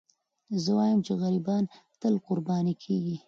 زه وایم چې غریبان تل قرباني کېږي.